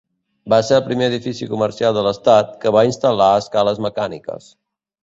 Va ser el primer edifici comercial de l'Estat que va instal·lar escales mecàniques.